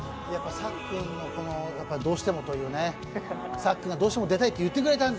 さっくんのどうしてもというね、さっくんがどうしても出たいと言ってくれたんで。